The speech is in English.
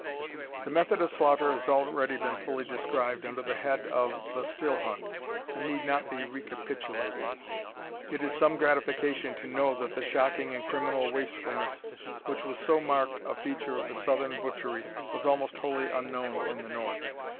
The method of slaughter has already been fully described under the head of "the still hunt," and need not be recapitulated. It is some gratification to know that the shocking and criminal wastefulness which was so marked a feature of the southern butchery was almost wholly unknown in the north.